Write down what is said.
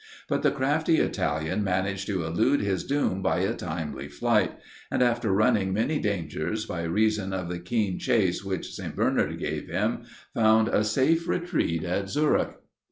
But the crafty Italian managed to elude his doom by a timely flight; and after running many dangers by reason of the keen chace which St. Bernard gave him, found a safe retreat at Zurich.